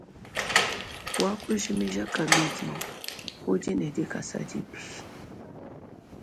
Wakujimija kabidi udi ne dikasa dibi.